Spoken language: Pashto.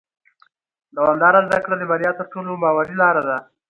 دوامداره زده کړه د بریا تر ټولو باوري لاره ده